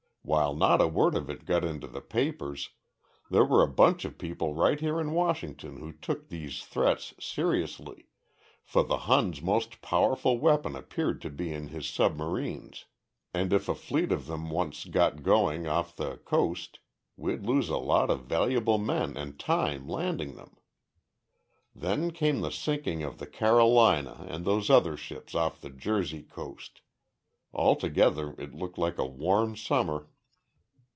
While not a word of it got into the papers, there were a bunch of people right here in Washington who took these threats seriously for the Hun's most powerful weapon appeared to be in his submarines, and if a fleet of them once got going off the coast we'd lose a lot of valuable men and time landing them. Then came the sinking of the Carolina and those other ships off the Jersey coast. Altogether it looked like a warm summer.